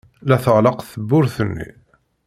La tɣelleq tewwurt-nni.